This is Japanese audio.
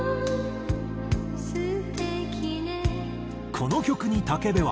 この曲に武部は。